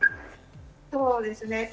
そうですね。